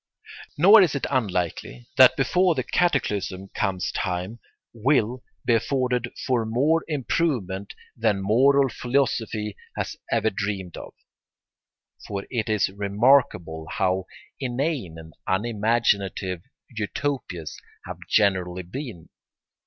Nor is it unlikely that before the cataclysm comes time will be afforded for more improvement than moral philosophy has ever dreamed of. For it is remarkable how inane and unimaginative Utopias have generally been.